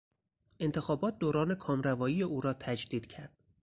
انتخابات دوران کامروایی او را تجدید کرد.